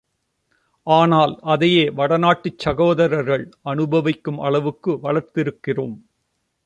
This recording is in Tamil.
ஆனால், அதையே வடநாட்டுச் சகோதரர்கள் அனுபவிக்கும் அளவுக்கு வளர்த்திருக்கறோம்.